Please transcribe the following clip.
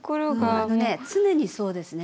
あのね常にそうですね。